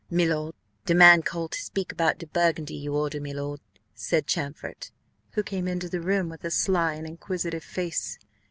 "Milord, de man call to speak about de burgundy you order, milord," said Champfort, who came into the room with a sly, inquisitive face.